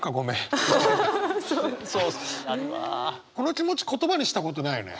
この気持ち言葉にしたことないよね？